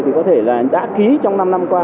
thì có thể là đã ký trong năm năm qua